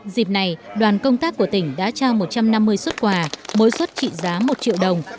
dịp này đoàn công tác của tỉnh đã trao một trăm năm mươi xuất quà mỗi xuất trị giá một triệu đồng